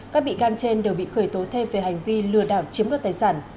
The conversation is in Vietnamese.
các bị can trên đều bị khởi tố thêm về hành vi lừa đảo chiếm đoạt tài sản